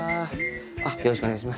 よろしくお願いします。